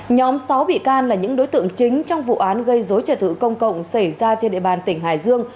nhóm sáu bị can là những đối tượng chính trong vụ án gây dối trả tự công cộng xảy ra trên địa bàn tỉnh hải dương